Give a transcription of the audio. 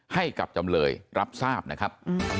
ให้กับจำเลยรับทราบนะครับ